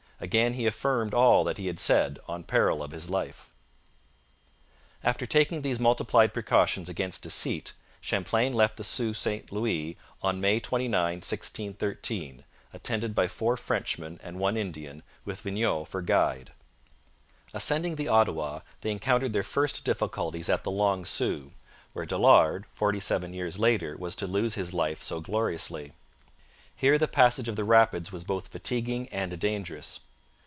Again he affirmed all that he had said, on peril of his life.' After taking these multiplied precautions against deceit, Champlain left the Sault St Louis on May 29, 1613, attended by four Frenchmen and one Indian, with Vignau for guide. Ascending the Ottawa, they encountered their first difficulties at the Long Sault, where Dollard forty seven years later was to lose his life so gloriously. Here the passage of the rapids was both fatiguing and dangerous.